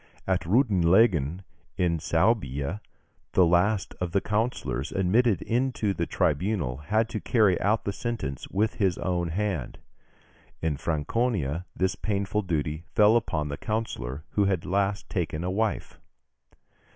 At Reutlingen, in Suabia, the last of the councillors admitted into the tribunal had to carry out the sentence with his own hand. In Franconia, this painful duty fell upon the councillor who had last taken a wife.